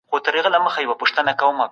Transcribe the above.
هېپوکامپس عصبي حجرې له منځه وړي.